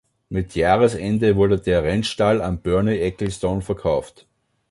Mit Jahresende wurde der Rennstall an Bernie Ecclestone verkauft.